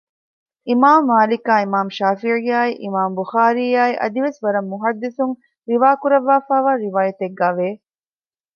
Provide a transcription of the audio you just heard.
އިމާމު މާލިކާއި އިމާމު ޝާފިޢީއާއި އިމާމު ބުޚާރީއާއި އަދިވެސް ވަރަށް މުޙައްދިޘުން ރިވާކުރަށްވާފައިވާ ރިވާޔަތެއްގައި ވެ